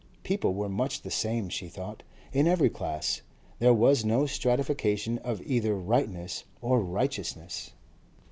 People were much the same, she thought, in every class; there was no stratification of either rightness or righteousness.